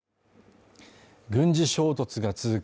軍事衝突が続く